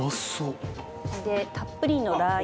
松本：たっぷりのラー油。